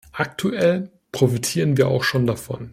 Aktuell profitieren wir auch schon davon.